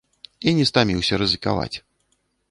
І не стаміўся рызыкаваць.